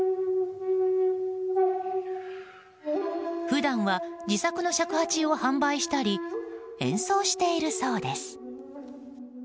普段は自作の尺八を販売したり演奏しているそうです。